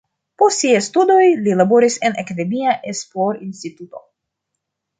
Post siaj studoj li laboris en akademia esplorinstituto.